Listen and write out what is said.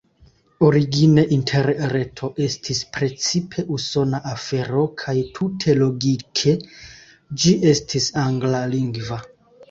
Origine Interreto estis precipe usona afero kaj, tute logike, ĝi estis anglalingva.